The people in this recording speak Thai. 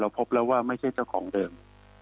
พบแล้วว่าไม่ใช่เจ้าของเดิม